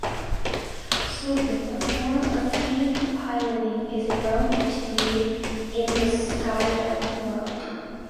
"Swooping," a form of canopy piloting, is a growing activity in the skydiving world.